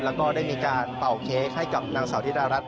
แล้วก็ได้มีการเป่าเค้กให้กับนางสาวธิดารัฐ